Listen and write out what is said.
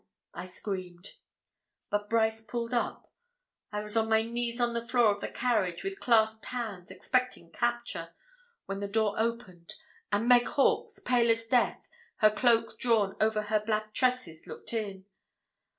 I screamed. But Brice pulled up. I was on my knees on the floor of the carriage, with clasped hands, expecting capture, when the door opened, and Meg Hawkes, pale as death, her cloak drawn over her black tresses, looked in.